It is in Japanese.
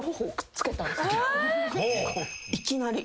いきなり。